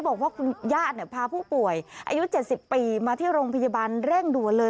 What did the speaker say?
บอกว่าคุณญาติพาผู้ป่วยอายุ๗๐ปีมาที่โรงพยาบาลเร่งด่วนเลย